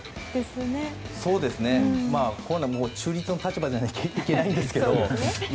こういうのは中立の立場でいなきゃいけないんですけど。